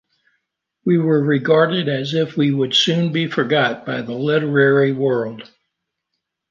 We were regarded as if we would soon be forgot by the literary world.